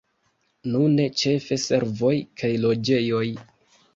Nune ĉefe servoj kaj loĝejoj.